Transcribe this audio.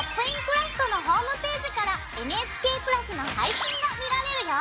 クラフト」のホームページからＮＨＫプラスの配信が見られるよ！